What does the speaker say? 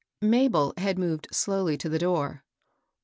Mabel had moved slowly to the door.